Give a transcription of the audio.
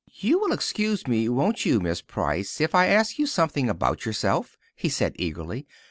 "You will excuse me, won't you, Miss Price, if I ask you something about yourself?" he said eagerly.